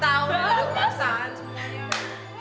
tau ya kuasaan semuanya